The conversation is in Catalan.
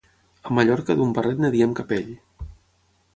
A Mallorca d'un barret en diem capell.